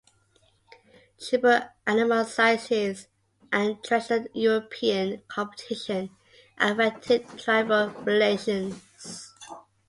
Tribal animosities and traditional European competition affected tribal relations.